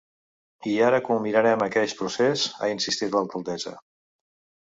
I ara culminarem aqueix procés, ha insistit l’alcaldessa.